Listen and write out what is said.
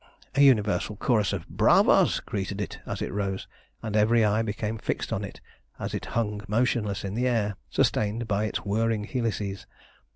A universal chorus of "bravas" greeted it as it rose, and every eye became fixed on it as it hung motionless in the air, sustained by its whirling helices.